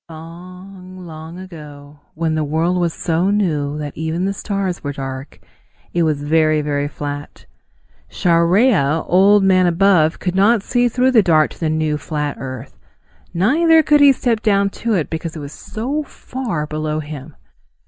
Long, long ago, when the world was so new that even the stars were dark, it was very, very flat. Chareya, Old Man Above, could not see through the dark to the new, flat earth. Neither could he step down to it because it was so far below him.